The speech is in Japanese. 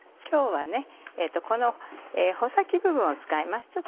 今日はこの穂先部分を使います。